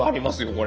これ。